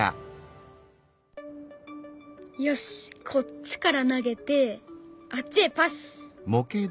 よしっこっちから投げてあっちへパス！